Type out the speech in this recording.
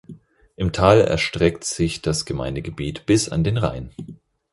Im Tal erstreckt sich das Gemeindegebiet bis an den Rhein.